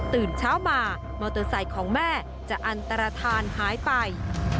ตื่นเช้ามามอเตอร์ไซค์ของแม่จะอันตรฐานหายไป